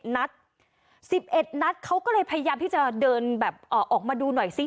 นัด๑๑นัดเขาก็เลยพยายามที่จะเดินแบบออกมาดูหน่อยซิ